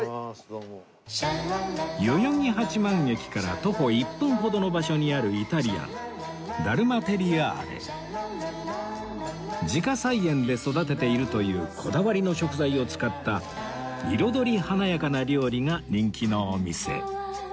代々木八幡駅から徒歩１分ほどの場所にあるイタリアン自家菜園で育てているというこだわりの食材を使った彩り華やかな料理が人気のお店